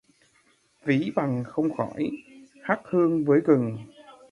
Ví bằng không khỏi, hắc hương với gừng